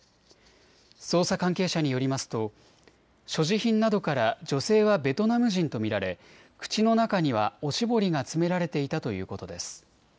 捜査関係者によりますと所持品などから女性はベトナム人と見られ口の中には、おしぼりが詰められていたということです。